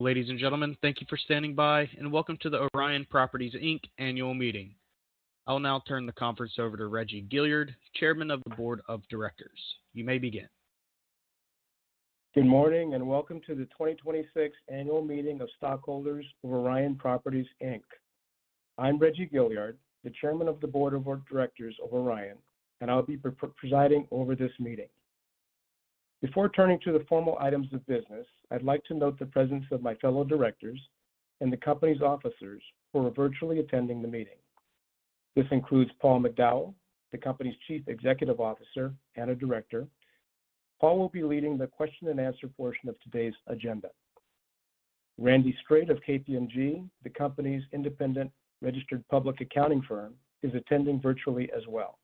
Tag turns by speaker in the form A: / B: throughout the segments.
A: Ladies and gentlemen, thank you for standing by, and welcome to the Orion Properties Inc. annual meeting. I'll now turn the conference over to Reggie Gilyard, Chairman of the Board of Directors. You may begin.
B: Good morning, and welcome to the 2026 annual meeting of stockholders of Orion Properties Inc. I'm Reggie Gilyard, the Chairman of the Board of Directors of Orion, and I'll be presiding over this meeting. Before turning to the formal items of business, I'd like to note the presence of my fellow directors and the company's officers who are virtually attending the meeting. This includes Paul McDowell, the company's Chief Executive Officer and a director. Paul will be leading the question and answer portion of today's agenda. Randy Straight of KPMG, the company's independent registered public accounting firm, is attending virtually as well.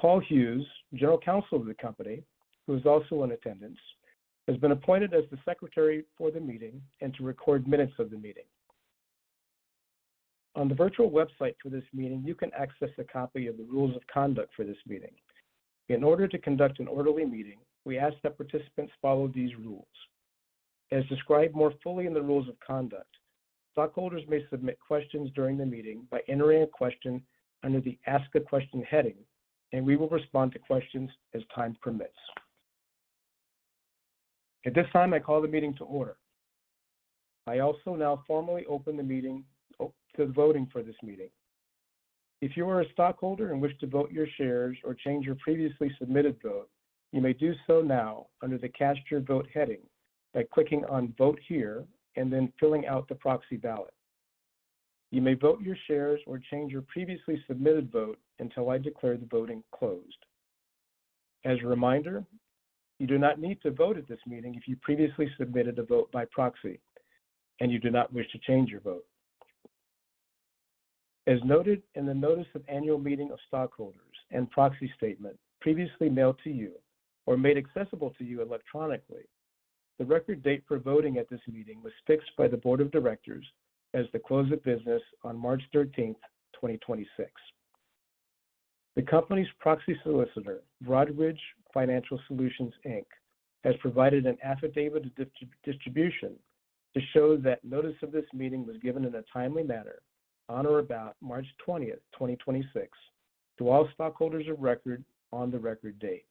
B: Paul Hughes, General Counsel of the company, who's also in attendance, has been appointed as the secretary for the meeting and to record minutes of the meeting. On the virtual website for this meeting, you can access a copy of the rules of conduct for this meeting. In order to conduct an orderly meeting, we ask that participants follow these rules. As described more fully in the rules of conduct, stockholders may submit questions during the meeting by entering a question under the Ask a Question heading, and we will respond to questions as time permits. At this time, I call the meeting to order. I also now formally open the meeting to voting for this meeting. If you are a stockholder and wish to vote your shares or change your previously submitted vote, you may do so now under the Cast Your Vote heading by clicking on Vote Here and then filling out the proxy ballot. You may vote your shares or change your previously submitted vote until I declare the voting closed. As a reminder, you do not need to vote at this meeting if you previously submitted a vote by proxy and you do not wish to change your vote. As noted in the Notice of Annual Meeting of Stockholders and Proxy Statement previously mailed to you or made accessible to you electronically, the record date for voting at this meeting was fixed by the board of directors as the close of business on March 13th, 2026. The company's proxy solicitor, Broadridge Financial Solutions, Inc., has provided an affidavit of distribution to show that notice of this meeting was given in a timely manner on or about March 20th, 2026 to all stockholders of record on the record date.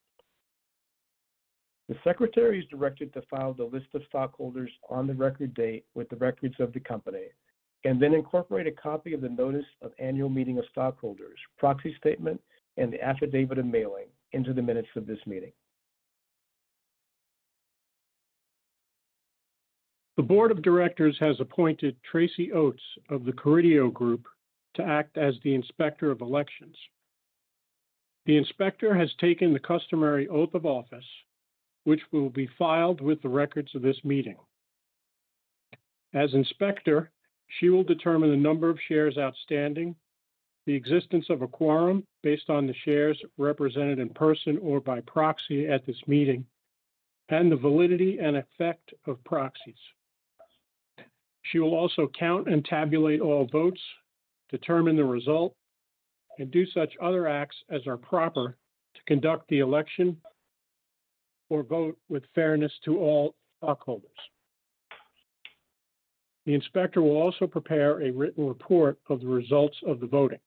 B: The secretary is directed to file the list of stockholders on the record date with the records of the company and then incorporate a copy of the Notice of Annual Meeting of Stockholders, Proxy Statement, and the Affidavit of Mailing into the minutes of this meeting. The board of directors has appointed Tracy Oates of the Carideo Group to act as the Inspector of Elections. The inspector has taken the customary oath of office, which will be filed with the records of this meeting. As inspector, she will determine the number of shares outstanding, the existence of a quorum based on the shares represented in person or by proxy at this meeting, and the validity and effect of proxies. She will also count and tabulate all votes, determine the result, and do such other acts as are proper to conduct the election or vote with fairness to all stockholders. The inspector will also prepare a written report of the results of the voting.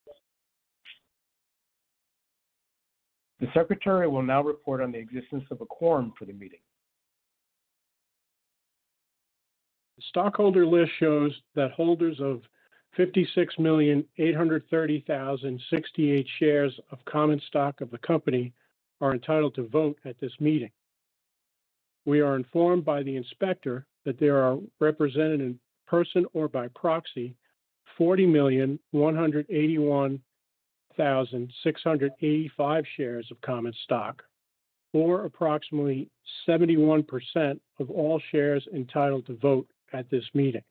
B: The secretary will now report on the existence of a quorum for the meeting.
C: The stockholder list shows that holders of 56,830,068 shares of common stock of the company are entitled to vote at this meeting. We are informed by the inspector that there are represented in person or by proxy 40,181,685 shares of common stock, or approximately 71% of all shares entitled to vote at this meeting.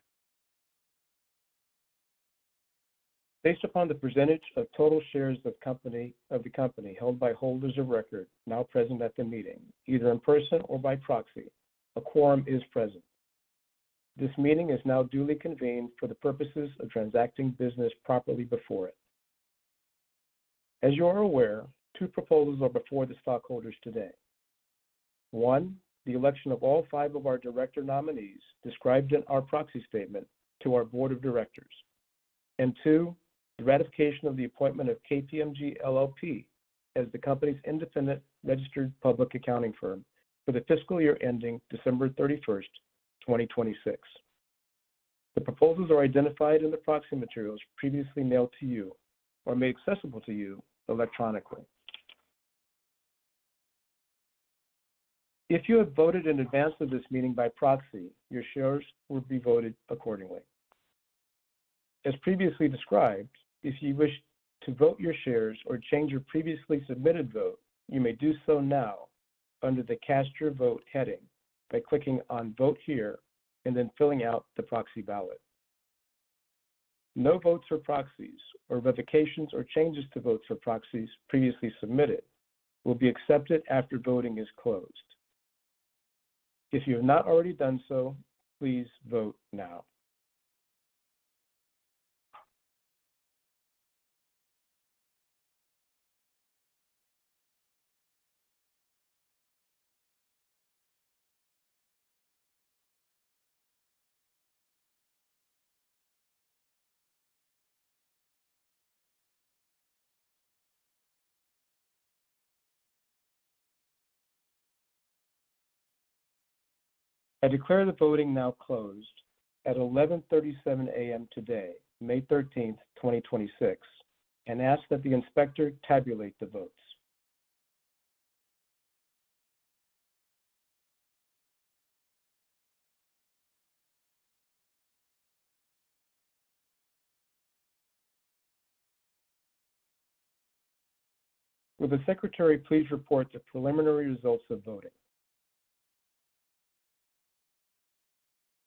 B: Based upon the percentage of total shares of the company held by holders of record now present at the meeting, either in person or by proxy, a quorum is present. This meeting is now duly convened for the purposes of transacting business properly before it. As you are aware, two proposals are before the stockholders today. One, the election of all five of our director nominees described in our proxy statement to our board of directors. Two, the ratification of the appointment of KPMG LLP as the company's independent registered public accounting firm for the fiscal year ending December 31st, 2026. The proposals are identified in the proxy materials previously mailed to you or made accessible to you electronically. If you have voted in advance of this meeting by proxy, your shares will be voted accordingly. As previously described, if you wish to vote your shares or change your previously submitted vote, you may do so now under the Cast Your Vote heading by clicking on Vote Here and then filling out the proxy ballot. No votes for proxies or revocations or changes to votes for proxies previously submitted will be accepted after voting is closed. If you have not already done so, please vote now. I declare the voting now closed at 11:37 A.M. today, May 13, 2026, and ask that the inspector tabulate the votes. Will the secretary please report the preliminary results of voting?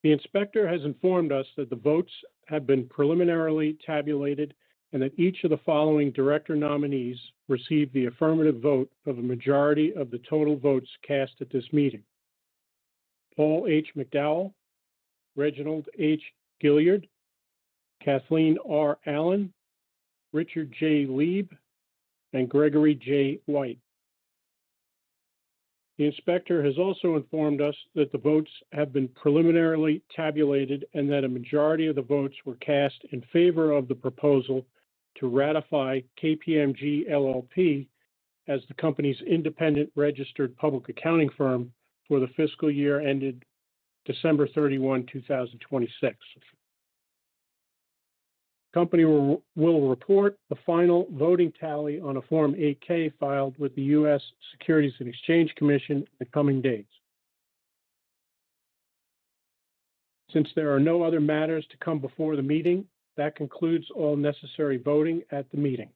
C: The inspector has informed us that the votes have been preliminarily tabulated and that each of the following director nominees received the affirmative vote of a majority of the total votes cast at this meeting. Paul H. McDowell, Reginald H. Gilyard, Kathleen R. Allen, Richard J. Lieb, and Gregory J. Whyte. The inspector has also informed us that the votes have been preliminarily tabulated and that a majority of the votes were cast in favor of the proposal to ratify KPMG LLP as the company's independent registered public accounting firm for the fiscal year ended December 31, 2026. Company will report the final voting tally on a Form 8-K filed with the U.S. Securities and Exchange Commission in the coming days. There are no other matters to come before the meeting, that concludes all necessary voting at the meeting.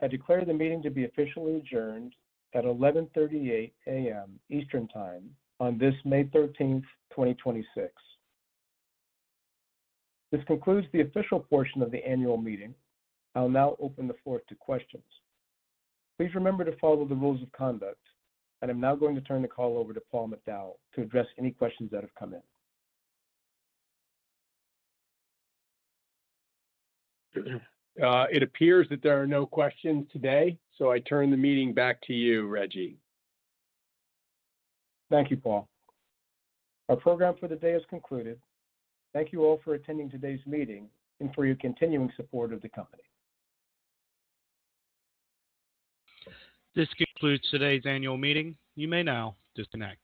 B: I declare the meeting to be officially adjourned at 11:38 A.M. Eastern Time on this May 13th, 2026. This concludes the official portion of the annual meeting. I'll now open the floor to questions. Please remember to follow the rules of conduct, and I'm now going to turn the call over to Paul McDowell to address any questions that have come in.
D: It appears that there are no questions today, so I turn the meeting back to you, Reggie.
B: Thank you, Paul. Our program for the day has concluded. Thank you all for attending today's meeting and for your continuing support of the company.
A: This concludes today's annual meeting. You may now disconnect.